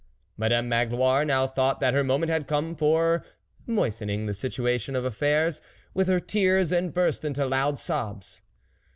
Madame Magloire now thought that her moment had come for moistening the situation of affairs with her tears, and burst into loud sobs.